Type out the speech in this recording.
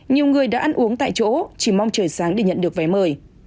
nhiều người đã ăn uống tại chỗ chỉ mong trời sáng để nhận được vé mời